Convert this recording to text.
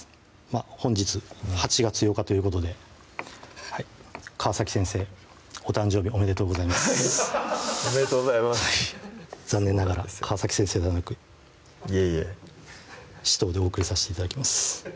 本日８月８日ということで川先生お誕生日おめでとうございますおめでとうございます残念ながら川先生ではなくいえいえ紫藤でお送りさせて頂きます